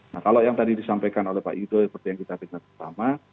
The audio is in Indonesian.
nah kalau yang tadi disampaikan oleh pak yudho seperti yang kita pikirkan pertama